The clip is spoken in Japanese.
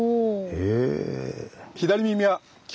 へえ。